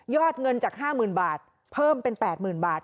เงินจาก๕๐๐๐บาทเพิ่มเป็น๘๐๐๐บาท